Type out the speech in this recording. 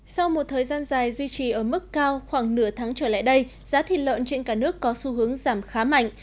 sau một thời gian dài duy trì ở mức cao khoảng nửa tháng trở lại đây giá thịt lợn trên cả nước có xu hướng giảm khá mạnh